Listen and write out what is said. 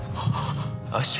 足！